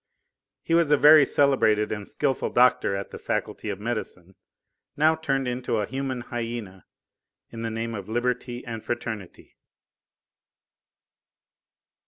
He was a very celebrated and skilful doctor at the Faculty of Medicine, now turned into a human hyena in the name of Liberty and Fraternity.